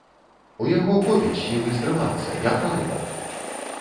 У яго хопіць сілы стрымацца, няпраўда!